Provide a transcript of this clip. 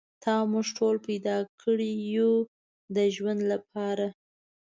تا موږ ټول پیدا کړي یو د ژوند لپاره.